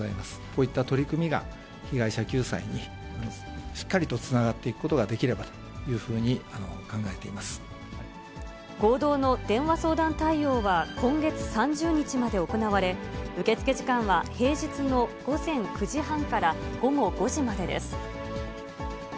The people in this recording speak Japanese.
こういった取り組みが被害者救済に、しっかりとつながっていくことができればというふうに考えていま合同の電話相談対応は、今月３０日まで行われ、受け付け時間は平日の午前９時半から午後５時までです。